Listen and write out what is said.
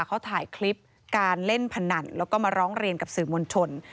เขาถ่ายคลิปการเล่นพนันแล้วก็มาร้องเรียนกับสื่อมวลชน